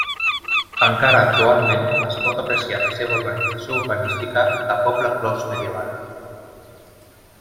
Encara actualment es pot apreciar la seva organització urbanística de poble clos medieval.